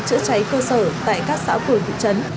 chữa cháy cơ sở tại các xã khu vực trấn